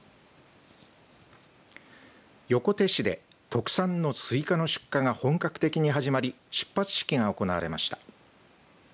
横手市で特産のすいかの出荷が本格的に始まり出発式が行われました。